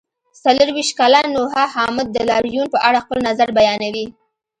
څلرویشت کلن نوحه حامد د لاریون په اړه خپل نظر بیانوي.